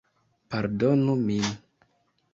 Pardonu min...